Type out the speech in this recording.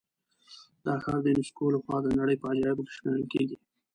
دا ښار د یونسکو له خوا د نړۍ په عجایبو کې شمېرل کېږي.